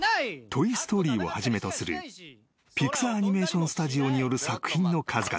［『トイ・ストーリー』をはじめとするピクサー・アニメーション・スタジオによる作品の数々］